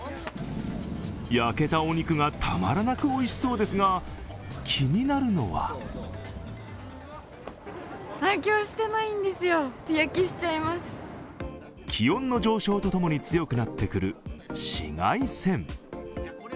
焼けたお肉が、たまらなくおいしそうですが、気になるのは気温の上昇とともに強くなってくる紫外線。